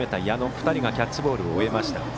２人がキャッチボールを終えました。